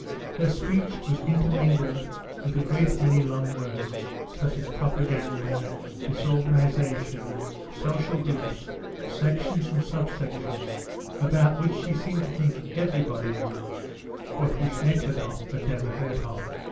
Her speech was intermingled with a great many long words, such as propaganda, disorganisation, social groups, sections and sub sections, about which she seemed to think everybody knew, but which Nekhludoff had never heard of.